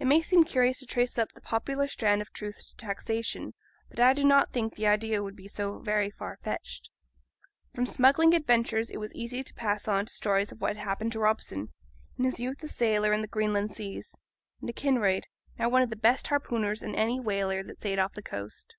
It may seem curious to trace up the popular standard of truth to taxation; but I do not think the idea would be so very far fetched. From smuggling adventures it was easy to pass on to stories of what had happened to Robson, in his youth a sailor in the Greenland seas, and to Kinraid, now one of the best harpooners in any whaler that sailed off the coast.